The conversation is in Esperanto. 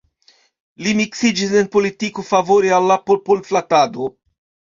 Li miksiĝis en politikon, favore al la popol-flatado.